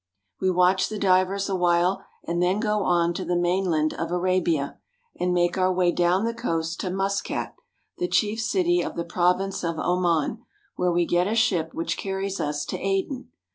We watch the divers awhile, and then go on to the main land of Arabia, and make our way down the coast to Maskat, the chief city of the province of Oman, where we get a ship which carries us to Aden.